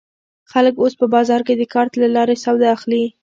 خلک اوس په بازار کې د کارت له لارې سودا اخلي.